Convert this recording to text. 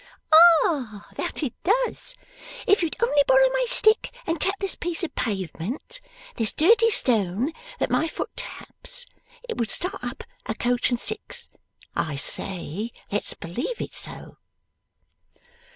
'Ah! That it does! If you'd only borrow my stick and tap this piece of pavement this dirty stone that my foot taps it would start up a coach and six. I say! Let's believe so!